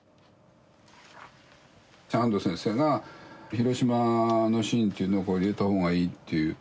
半藤先生が広島のシーンというのをこう入れたほうがいいという。